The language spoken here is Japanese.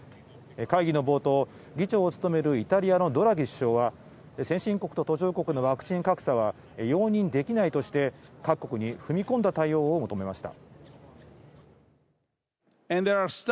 会議の冒頭、議長を務めるイタリアのドラギ首相は先進国と途上国のワクチン格差は容認できないとして各国に踏み込んだ対応を求めました。